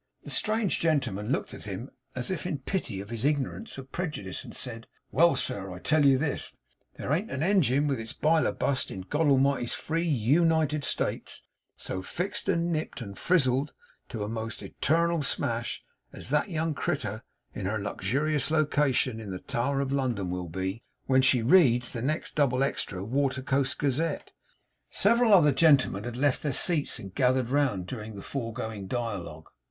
The strange gentleman looked at him as if in pity for his ignorance or prejudice, and said: 'Well, sir, I tell you this there ain't a engine with its biler bust, in God A'mighty's free U nited States, so fixed, and nipped, and frizzled to a most e tarnal smash, as that young critter, in her luxurious location in the Tower of London will be, when she reads the next double extra Watertoast Gazette.' Several other gentlemen had left their seats and gathered round during the foregoing dialogue.